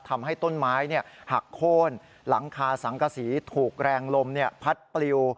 ทำให้ต้นไม้หักโค้นหลังคาสังกษีถูกแรงลมพัดปลิว